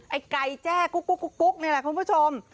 ไอ้ไก่แจ้กุ๊กนี่แหละคุณผู้ชม